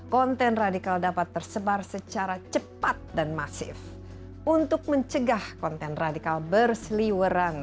konten radikal dapat tersebar secara cepat dan masif untuk mencegah konten radikal berseliwerang